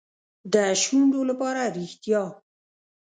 د شونډو لپاره ریښتیا.